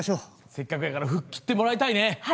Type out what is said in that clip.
せっかくだから吹っ切ってもらいたいね。